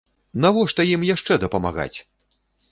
Навошта ім яшчэ дапамагаць!